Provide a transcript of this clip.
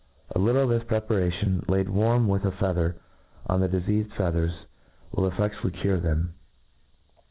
A little n of this preparation, laid warm with a feather on the difea&d feathers, will eSedualiy cure them.